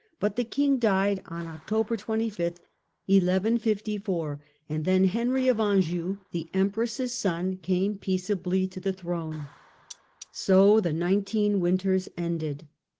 But the king died on October 25, 11 54, and then Henry of Anjou, the empress's son, came peaceably to the throne. So the "nineteen winters" ended.